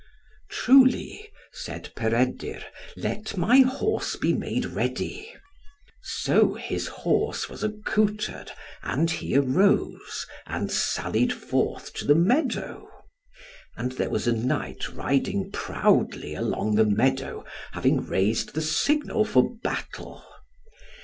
"Truly," said Peredur, "let my horse be made ready." So his horse was accoutred, and he arose, and sallied forth to the meadow. And there was a knight riding proudly along the meadow, having raised the signal for battle.